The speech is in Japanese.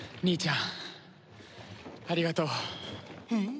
兄ちゃんありがとう。